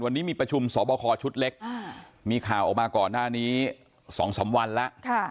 วันนี้มีประชุมสอบคอชุดเล็กมีข่าวออกมาก่อนหน้านี้๒๓วันแล้ว